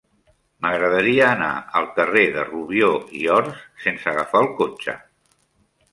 M'agradaria anar al carrer de Rubió i Ors sense agafar el cotxe.